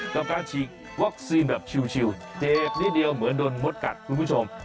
กับการฉีดวัคซีนแบบชิวเจ็บนิดเดียวเหมือนโดนมดกัดคุณผู้ชม